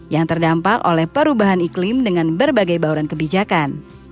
yang terdampak oleh perubahan iklim dengan berbagai bauran kebijakan